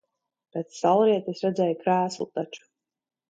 Pēc saulrieta es redzēju krēslu taču.